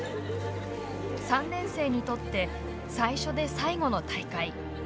３年生にとって最初で最後の大会。